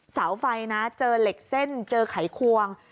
เสาไฟนะเจอเหล็กเส้นเจอไขควง